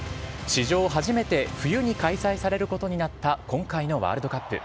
史上初めて、冬に開催されることになった今回のワールドカップ。